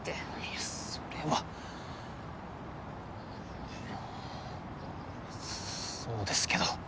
いやそれはうんそうですけど。